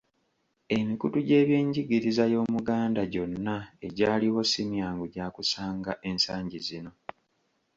Emikutu gy’ebyenjigiriza y’Omuganda gyonna egyaliwo si myangu gya kusanga ensangi zino.